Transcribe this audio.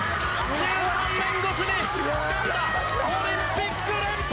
１３年越しにつかんだオリンピック連覇！